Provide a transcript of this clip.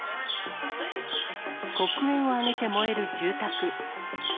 黒煙を上げて燃える住宅。